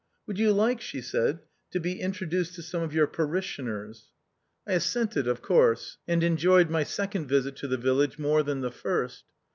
" Would you like," she said, "to be introduced to some of your parishioners ?" I assented, of 80 THE OUTCAST. course, and enjoyed my second visit to the village more than the first.